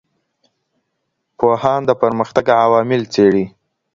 پوهان د پرمختګ عوامل څېړي.